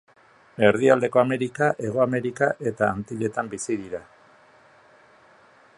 Erdialdeko Amerika, Hego Amerika eta Antilletan bizi dira.